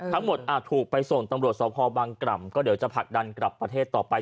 อาจถูกไปส่งตำรวจสพบังกล่ำก็เดี๋ยวจะผลักดันกลับประเทศต่อไป